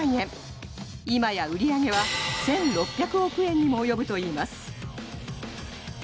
今や売り上げは１６００億円にも及ぶといいます。